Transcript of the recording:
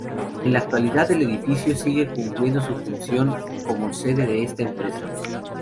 En la actualidad, el edificio sigue cumpliendo su función como sede de esta empresa.